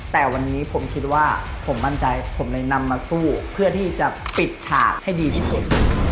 แต่วันนี้ผมคิดว่าผมมั่นใจผมเลยนำมาสู้เพื่อที่จะปิดฉากให้ดีที่สุด